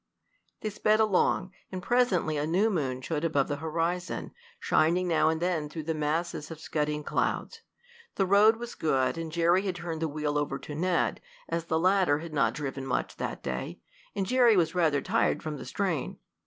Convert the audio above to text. They sped along, and presently a new moon showed above the horizon, shining now and then through the masses of scudding clouds. The road was good, and Jerry had turned the wheel over to Ned, as the latter had not driven much that day, and Jerry was rather tired from the strain.